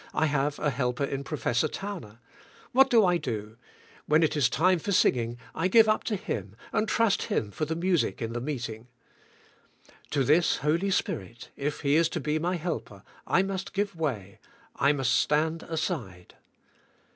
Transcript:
I have a helper in Professor Towner. What do I do? When it is time for singing I give up to him and trust him for the music in the meet ing. To this Holy Spirit, if He is to be my helper, I must give way, I must stand aside.